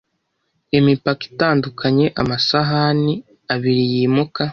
Imipaka itandukanye amasahani abiri yimuka